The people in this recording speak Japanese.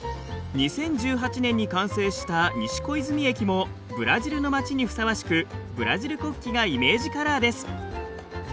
２０１８年に完成した西小泉駅もブラジルの町にふさわしくブラジル国旗がイメージカラーです。